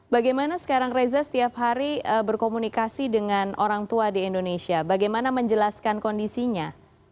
bagaimana sekarang reza setiap hari berkomunikasi dengan orang tua di indonesia bagaimana menjelaskan kondisinya